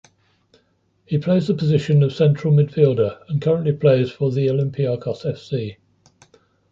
He plays the position of central midfielder and currently plays for the Olympiacos FC.